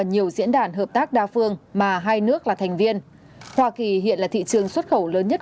nhiều diễn đàn hợp tác đa phương mà hai nước là thành viên hoa kỳ hiện là thị trường xuất khẩu lớn nhất